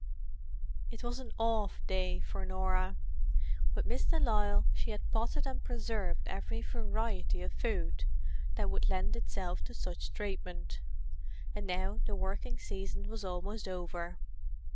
It was an "off" day for Norah. With Miss de Lisle she had potted and preserved every variety of food that would lend itself to such treatment, and now the working season was almost over.